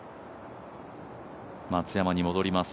松山に戻ります。